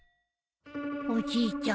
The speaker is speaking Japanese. おじいちゃん